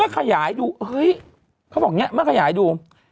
มันขยายดูเฮ้ยเขาบอกเนี่ยมันขยายดู